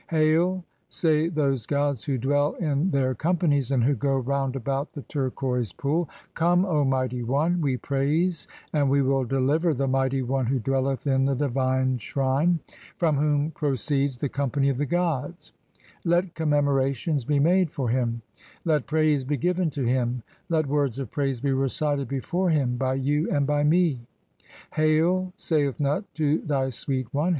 'Hail', say those gods who dwell in their (19) 'companies and who go round about the Turquoise Pool, 'Come, 'O mightv One, we praise and we will deliver the Mighty One '[who dwelleth in] the divine Shrine, from whom proceeds the 'companv of the gods, (20) let commemorations be made for 'him, let praise be given to him, let words [of praise] be recited 'before him by you and by me'. 'Hail', saith Nut to thy Sweet 'One.